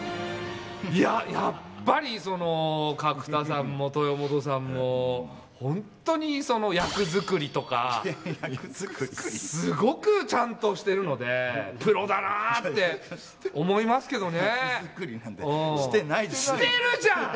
やっぱり、角田さんも豊本さんも本当に役作りとかすごくちゃんとしてるのでプロだなって思いますけどね。